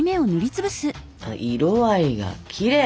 色合いがきれい！